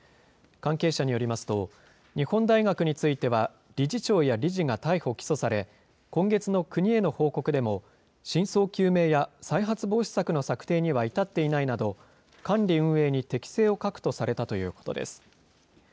関係者によりますと、日本大学については、理事長や理事が逮捕・起訴され、今月の国への報告でも、真相究明や再発防止策の策定には至っていないなど、管理運営に適性を欠くとされたということです。